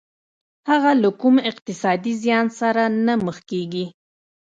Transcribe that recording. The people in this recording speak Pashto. هغه له کوم اقتصادي زيان سره نه مخ کېږي.